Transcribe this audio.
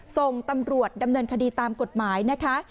ส่งตำรวจดำเนินคดีตามกฎหมายนะคะ